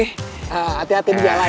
hati hati di jalan